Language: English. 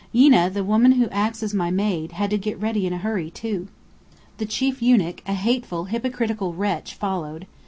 Yeena, the woman who acts as my maid, had to get ready in a hurry, too. The chief eunuch, a hateful hypocritical wretch, followed.